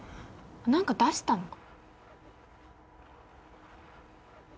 何か出したのか。